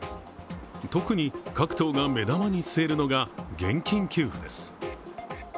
特に各党が目玉に据えるのが現金給付です。